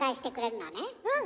うん！